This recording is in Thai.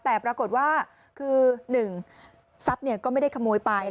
แต่ปรากฏว่าคือ๑ทรัพย์ก็ไม่ได้ขโมยไป